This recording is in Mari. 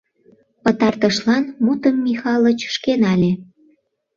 Пытартышлан мутым Михалыч шке нале.